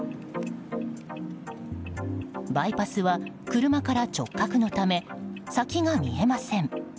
バイパスは車から直角のため先が見えません。